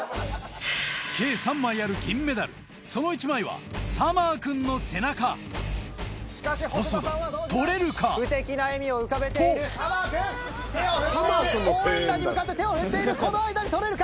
計３枚ある銀メダルその１枚はサマーくんの背中細田撮れるか？と応援団に向かって手を振っているこの間に撮れるか？